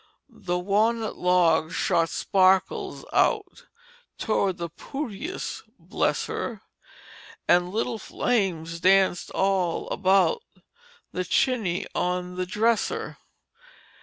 "The wa'nut log shot sparkles out Towards the pootiest bless her! An' little flames danced all about The chiny on the dresser.